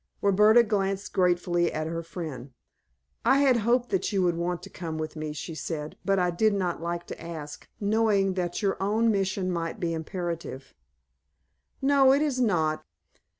Roberta glanced gratefully at her friend. "I had hoped that you would want to come with me," she said, "but I did not like to ask, knowing that your own mission might be imperative." "No, it is not."